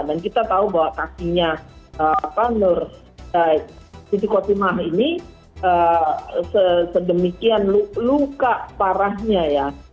dan kita tahu bahwa kasihnya siti kotima ini sedemikian luka parahnya ya